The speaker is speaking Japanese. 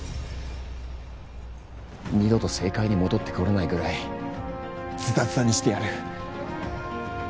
二度と政界に戻ってこれないぐらいずたずたにしてやる。